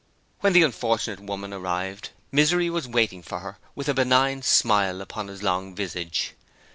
When the unfortunate woman arrived, Misery was waiting for her with a benign smile upon his long visage.